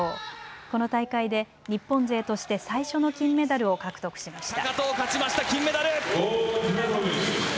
この大会で日本勢として最初の金メダルを獲得しました。